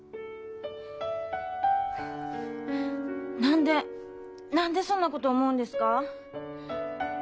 何で何でそんなこと思うんですか？